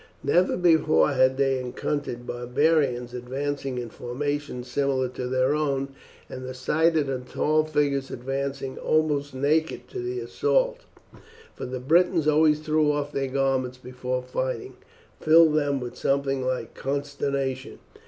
Never before had they encountered barbarians advancing in formation similar to their own, and the sight of the tall figures advancing almost naked to the assault for the Britons always threw off their garments before fighting filled them with something like consternation.